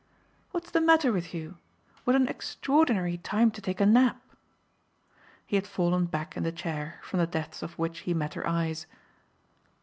"What's the matter with you? What an extraordinary time to take a nap!" He had fallen back in the chair, from the depths of which he met her eyes.